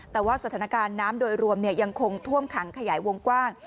แต่ว่าสถานการณ์น้ำโดยรวมยังคงท่วมขังขยายวงกว้าง